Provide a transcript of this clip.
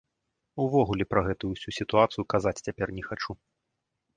Увогуле пра гэтую ўсю сітуацыю казаць цяпер не хачу.